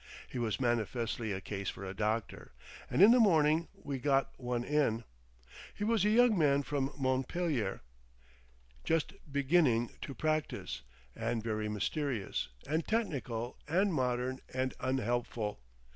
He was manifestly a case for a doctor, and in the morning we got one in. He was a young man from Montpelier, just beginning to practise, and very mysterious and technical and modern and unhelpful.